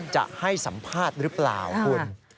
จะให้สัมภาษณ์หรือเปล่าคุณ